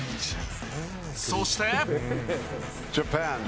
そして。